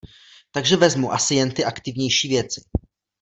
Takže vezmu asi jen ty aktivnější věci.